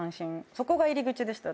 そこが入り口でした